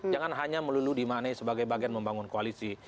jangan hanya melulu dimaknai sebagai bagian membangun koalisi